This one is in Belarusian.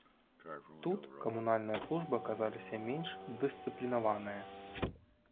Тут камунальныя службы аказаліся менш дысцыплінаваныя.